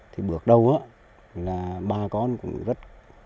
thì bước đầu bà con cũng rất